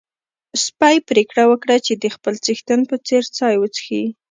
سپی پرېکړه وکړه چې د خپل څښتن په څېر چای وڅښي.